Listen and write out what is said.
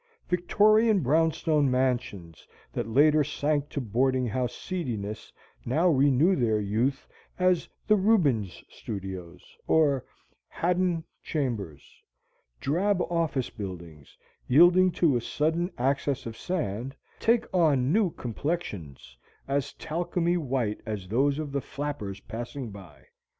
Victorian brownstone mansions that later sank to boarding house seediness now renew their youth as the "Rubens Studios" or "Haddon Chambers"; drab office buildings, yielding to a sudden access of sand, take on new complexions as talcumy white as those of the flappers passing by.